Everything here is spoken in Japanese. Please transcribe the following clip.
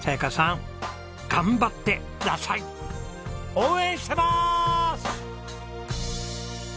応援してます！